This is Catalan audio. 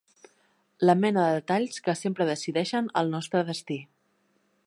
La mena de detalls que sempre decideixen el nostre destí